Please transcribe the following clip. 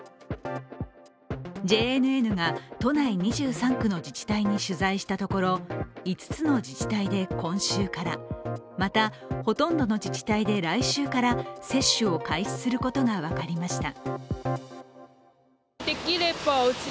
ＪＮＮが都内２３区の自治体に取材したところ、５つの自治体で今週から、また、ほとんどの自治体で来週から接種を開始することが分かりました。